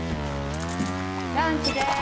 ランチです。